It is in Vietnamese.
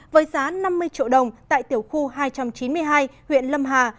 với giá năm mươi triệu đồng tại tiểu khu hai trăm chín mươi hai huyện lâm hà